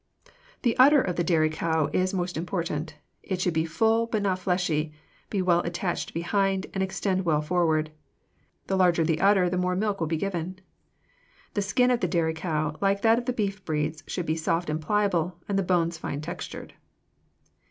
The udder of the dairy cow is most important. It should be full but not fleshy, be well attached behind, and extend well forward. The larger the udder the more milk will be given. The skin of the dairy cow, like that of the beef breeds, should be soft and pliable and the bones fine textured.